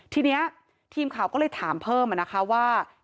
ทีนี้ทีมข่าวก็เลยถามเพิ่มนะคะว่า